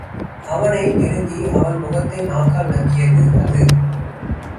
அவனை நெருங்கி அவன் முகத்தை நாக்கால் நக்கியது அது.